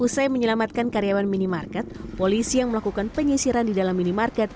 usai menyelamatkan karyawan minimarket polisi yang melakukan penyisiran di dalam minimarket